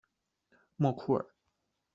莫库尔。